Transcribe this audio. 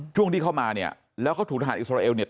ช่วงที่เข้ามาแล้วก็ถูกทหารอิสราเอล